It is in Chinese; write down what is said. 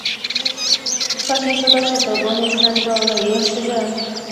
赫希斯特是德国黑森州的一个市镇。